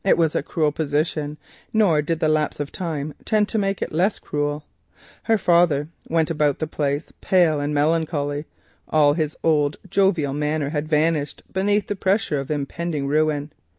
It was a cruel position, nor did the lapse of time tend to make it less cruel. Her father went about the place pale and melancholy—all his jovial manner had vanished beneath the pressure of impending ruin.